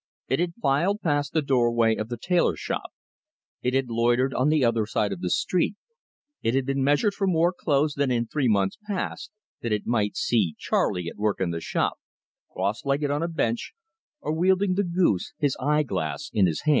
It had filed past the doorway of the tailor shop; it had loitered on the other side of the street; it had been measured for more clothes than in three months past that it might see Charley at work in the shop, cross legged on a bench, or wielding the goose, his eye glass in his eye.